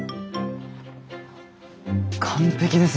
完璧です。